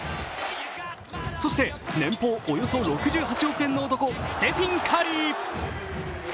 そして、年俸およそ６８億円の男ステフィン・カリー。